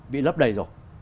bị lấp đầy rồi